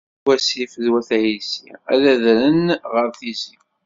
At Wasif d Wat Ɛisi ad adren ɣer Tizi..